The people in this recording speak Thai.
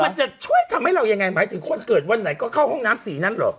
มันจะช่วยทำให้เรายังไงหมายถึงคนเกิดวันไหนก็เข้าห้องน้ำสีนั้นเหรอ